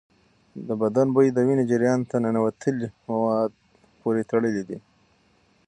د بدن بوی د وینې جریان ته ننوتلي مواد پورې تړلی دی.